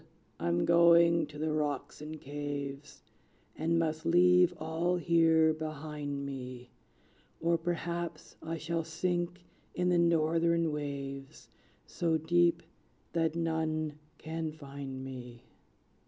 I'm going to the rocks and caves, And must leave all here behind me; Or perhaps I shall sink in the Northern waves, So deep that none can find me."